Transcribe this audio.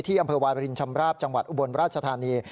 อำเภอวายบรินชำราบจังหวัดอุบลราชธานี